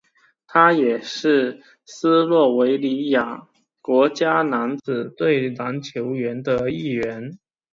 他也是斯洛维尼亚国家男子篮球队的一员。